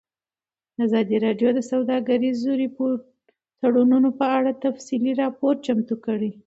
ازادي راډیو د سوداګریز تړونونه په اړه تفصیلي راپور چمتو کړی.